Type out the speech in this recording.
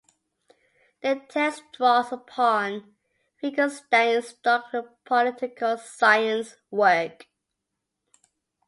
The text draws upon Finkelstein's doctoral political science work.